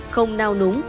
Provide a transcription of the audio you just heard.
không nào núng